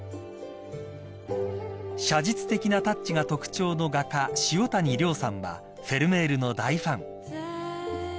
［写実的なタッチが特徴の画家塩谷亮さんはフェルメールの大ファン］